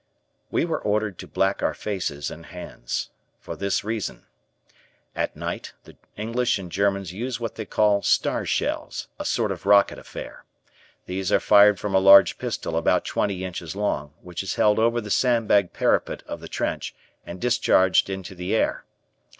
We were ordered to black our faces and hands. For this reason: at night, the English and Germans use what they call star shells, a sort of rocket affair. These are fired from a large pistol about twenty inches long, which is held over the sandbag parapet of the trench, and discharged into the air.